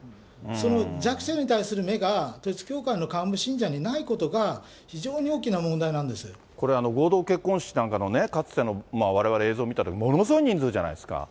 その弱者に対する目が統一教会の幹部信者にないことが、非常に大これ、合同結婚式のかつてのわれわれ映像見たら、ものすごい人数じゃないですか。